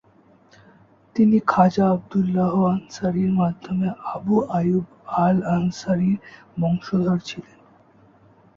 তিনি Khwaja Abdullah আনসারীর মাধ্যমে আবু আইয়ুব আল আনসারীর বংশধর ছিলেন।